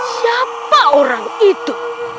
siapa orang itu